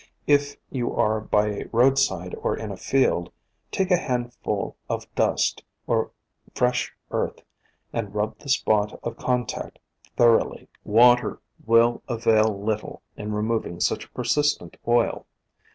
If you are by a roadside or in a field, take a handful of dust or fresh earth and rub the spot of contact thoroughly. Water will avail little in removing such a persistent oil.